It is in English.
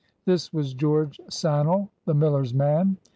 This was George Sannel, the miller's man.